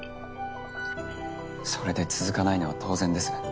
それで続かないのは当然です。